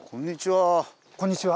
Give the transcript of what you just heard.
こんにちは。